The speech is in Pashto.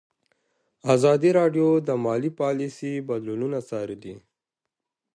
ازادي راډیو د مالي پالیسي بدلونونه څارلي.